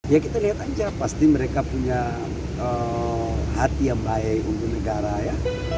ya kita lihat aja pasti mereka punya hati yang baik untuk negara ya